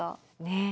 ねえ。